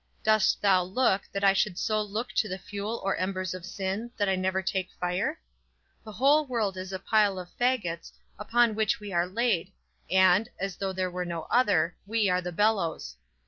Dost thou look, that I should so look to the fuel or embers of sin, that I never take fire? The whole world is a pile of fagots, upon which we are laid, and (as though there were no other) we are the bellows.